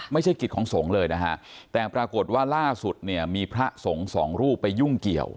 กิจของสงฆ์เลยนะฮะแต่ปรากฏว่าล่าสุดเนี่ยมีพระสงฆ์สองรูปไปยุ่งเกี่ยว